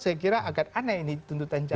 saya kira agak aneh ini tuntutan jaksa